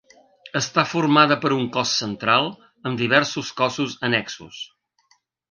Està formada per un cos central amb diversos cossos annexos.